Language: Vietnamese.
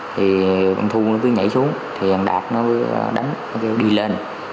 thì bằng thu nó cứ nhảy xuống thì đạt nó cứ đánh nó kêu đi lên